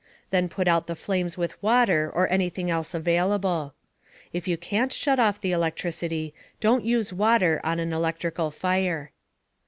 Then put out the flames with water or anything else available. If you can't shut off the electricity, don't use water on an electrical fire.